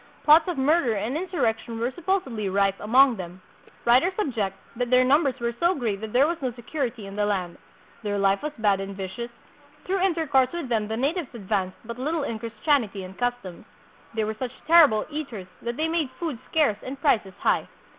Plots of murder and in surrection were supposedly rife among them. Writers ob ject that their numbers were so great that there was no security in the land; their life was bad and vicious; through intercourse with them the natives advanced but little in Christianity and customs; they were such terrible eaters that they made foods scarce and prices high.